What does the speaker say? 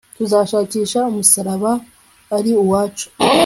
tuzashakisha umusaraba ari uwacu